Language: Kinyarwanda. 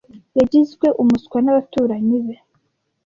Yagizwe umuswa nabaturanyi be.